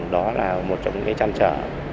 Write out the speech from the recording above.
đó là một trong những trăn trở